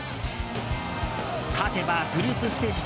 勝てばグループステージ